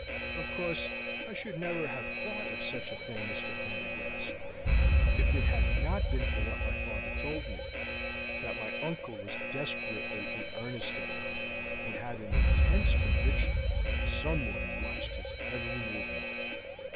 "Of course, I should never have thought of such a thing, Mr. Prendergast, if it had not been for what my father told me, that my uncle was desperately in earnest about it, and had an intense conviction that someone watched his every movement."